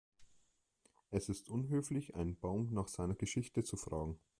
Es ist unhöflich, einen Baum nach seiner Geschichte zu fragen.